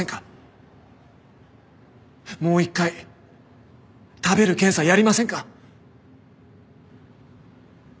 もう一回食べる検査やりませんか？